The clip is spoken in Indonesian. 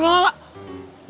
gak usah dipikirin